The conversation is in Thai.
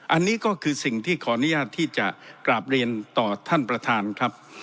อันนี้ก็คือสิ่งที่ขออนุญาตที่จะกราบเรียนต่อท่านประธานครับ